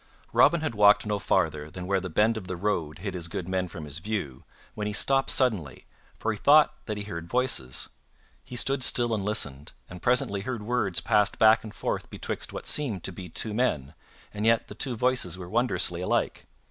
Robin had walked no farther than where the bend of the road hid his good men from his view, when he stopped suddenly, for he thought that he heard voices. He stood still and listened, and presently heard words passed back and forth betwixt what seemed to be two men, and yet the two voices were wondrously alike.